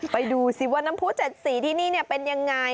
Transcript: ไปดูซิว่าน้ำผู้๗สีที่นี่เป็นยังไง